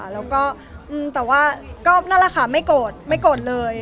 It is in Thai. แล้วก็แต่ว่าก็นั่นแหละค่ะไม่โกรธไม่โกรธเลย